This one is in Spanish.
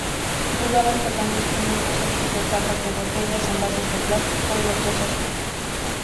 Jugaban tocando instrumentos hechos de tapas de botellas, envases de plástico, y otros artículos.